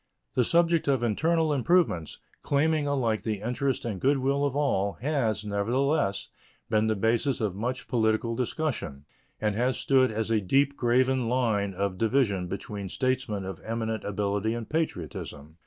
The subject of internal improvements, claiming alike the interest and good will of all, has, nevertheless, been the basis of much political discussion and has stood as a deep graven line of division between statesmen of eminent ability and patriotism.